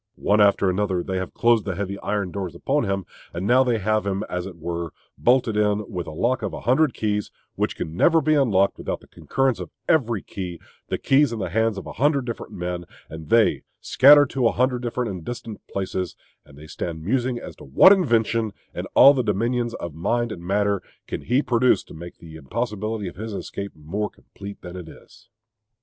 One after another they have closed the heavy iron doors upon him; and now they have him, as it were, bolted in with a lock of a hundred keys, which can never be unlocked without the concurrence of every key; the keys in the hands of a hundred different men, and they scattered to a hundred different and distant places; and they stand musing as to what invention, in all the dominions of mind and matter, can he produced to make the impossibility of his escape more complete than it is....